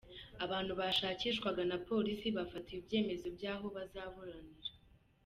Abantu bashakishwaga na polisi bafatiwe ibyemezo by’aho bazaburanira